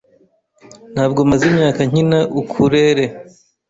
Ntabwo maze imyaka nkina ukulele